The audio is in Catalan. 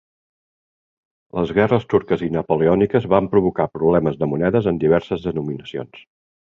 Les guerres turques i napoleòniques van provocar problemes de monedes en diverses denominacions.